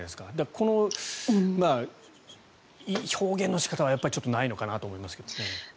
この表現の仕方はちょっとないのかなと思います。